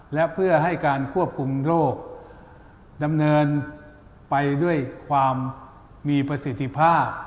และเพื่อให้การควบคุมโรคดำเนินไปด้วยความมีประสิทธิภาพ